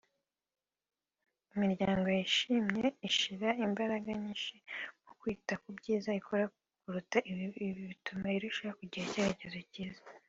Imiryango yishimye ishyira imbaraga nyinshi mu kwita ku byiza ikora kuruta ibibi; Ibi bituma irushaho kugira icyerekezo cyiza